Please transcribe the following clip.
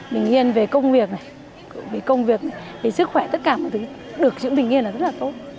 bình yên về công việc này về công việc này về sức khỏe tất cả mọi thứ được chữ bình yên là rất là tốt